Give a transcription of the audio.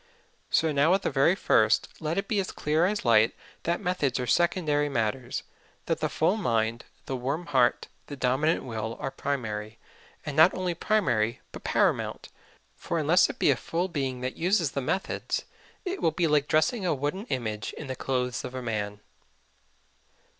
So now at the very first let it be as clear as light that methods are secondary matters; that the full mind, the warm heart, the dominant will are primary and not only primary but paramount; for unless it be a full being that uses the methods it will be like dressing a wooden image in the clothes of a man.